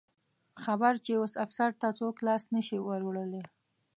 خبر چې افسر ته څوک لاس نه شي وروړلی.